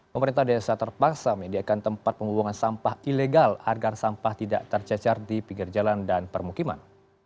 pemerintah desa terpaksa menyediakan tempat pembuangan sampah ilegal agar sampah tidak tercecar di pinggir jalan dan permukiman